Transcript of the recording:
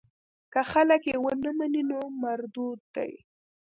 که خلک یې ونه مني نو مردود دی.